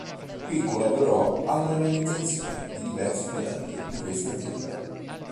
Qui collaborò alla realizzazione di diversi modelli di questa azienda.